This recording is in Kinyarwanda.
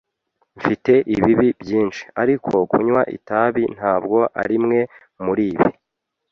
Mfite ibibi byinshi, ariko kunywa itabi ntabwo arimwe muribi.